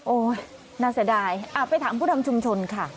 น่าเสียดายไปถามผู้นำชุมชนค่ะ